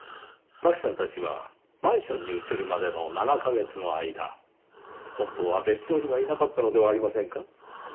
槙さんたちはマンションに移るまでの７カ月の間本当は別荘にはいなかったのではありませんか？